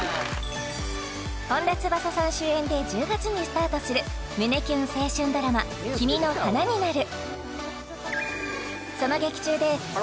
本田翼さん主演で１０月にスタートする胸キュン青春ドラマ「君の花になる」